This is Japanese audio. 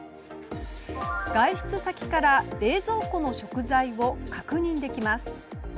外出先から冷蔵庫の食材を確認できます。